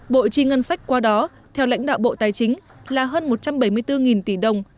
bộ chi ngân sách qua đó theo lãnh đạo bộ tài chính là hơn một trăm bảy mươi bốn tỷ đồng